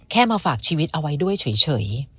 มาฝากชีวิตเอาไว้ด้วยเฉย